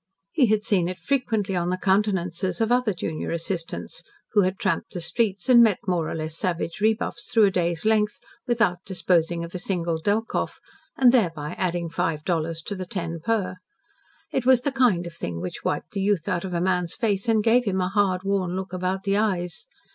He had seen it frequently on the countenances of other junior assistants who had tramped the streets and met more or less savage rebuffs through a day's length, without disposing of a single Delkoff, and thereby adding five dollars to the ten per. It was the kind of thing which wiped the youth out of a man's face and gave him a hard, worn look about the eyes.